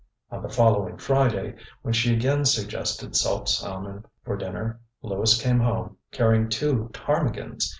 On the following Friday, when she again suggested salt salmon for dinner, Lewis came home, carrying two ptarmigans!